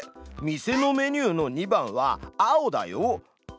店のメニューの２番は青だよ。